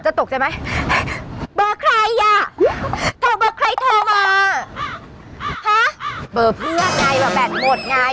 ตกใจไหมเบอร์ใครอ่ะโทรเบอร์ใครโทรมาฮะเบอร์เพื่อนไงว่าแบตหมดไง